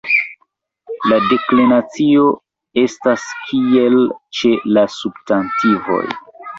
La deklinacio estas kiel ĉe la substantivoj.